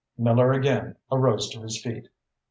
Miller again arose to his feet.